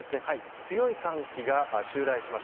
強い寒気が襲来しました。